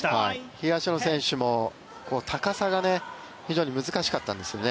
東野選手も、高さが非常に難しかったですね。